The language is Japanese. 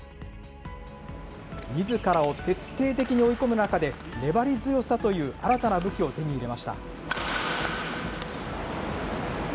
みずからを徹底的に追い込む中で、粘り強さという新たな武器を手に入れました。